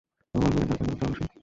আমার মেয়ের রাতের বেলা জ্বর আসে।